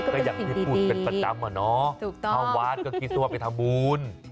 ก็อย่างที่พูดเป็นประจำอะเนาะเข้าวัดก็คิดว่าไปทำบุญ